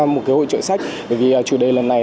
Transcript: một cái hội trợ sách bởi vì chủ đề lần này